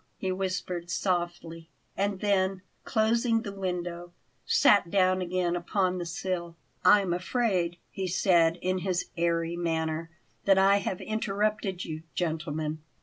he whispered softly; and then, closing the window, sat down again upon the sill. "I'm afraid," he said in his airy manner, "that I have interrupted you, gentlemen.